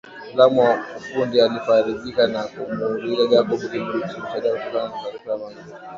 Mtaalamu wa ufundi alifarijika na kumuuliza Jacob kilichomsaidia kutokana na taarifa ya Magreth